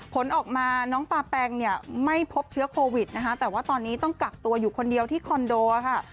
ผลออกมาน้องปาแปงเนี่ยไม่พบเชื้อโควิดนะคะแต่ว่าตอนนี้ต้องกักตัวอยู่คนเดียวที่คอนโดค่ะ